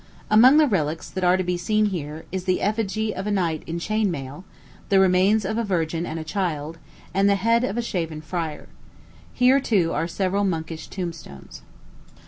Among the relics that are to be seen here is the effigy of a knight in chain mail, the remains of a virgin and child, and the head of a shaven friar. Here, too, are several monkish tombstones.